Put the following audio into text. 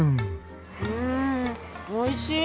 うんおいしい！